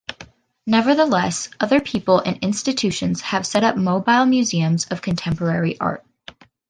Nevertheless, other people and institutions have set up mobile museums of contemporary art.